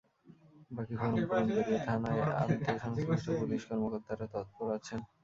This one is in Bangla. বাকি ফরম পূরণ করিয়ে থানায় আনতে সংশ্লিষ্ট পুলিশ কর্মকর্তারা তৎপর আছেন।